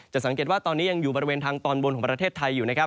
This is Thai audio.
สังเกตว่าตอนนี้ยังอยู่บริเวณทางตอนบนของประเทศไทยอยู่นะครับ